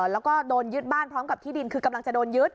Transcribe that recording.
แล้วก็โดนยึดบ้านพร้อมกับที่ดินคือกำลังจะโดนยึด